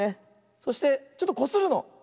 そしてちょっとこするの。